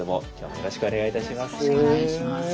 よろしくお願いします。